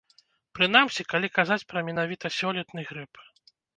Прынамсі, калі казаць пра менавіта сёлетні грып.